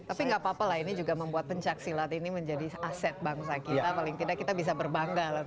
tapi gak apa apa lah ini juga membuat pencaksilat ini menjadi aset bangsa kita paling tidak kita bisa berbangga